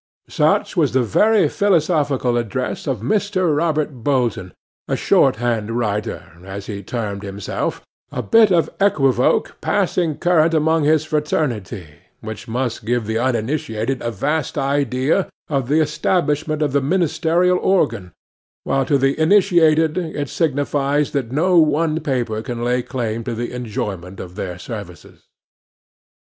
Such was the very philosophical address of Mr. Robert Bolton, a shorthand writer, as he termed himself—a bit of equivoque passing current among his fraternity, which must give the uninitiated a vast idea of the establishment of the ministerial organ, while to the initiated it signifies that no one paper can lay claim to the enjoyment of their services.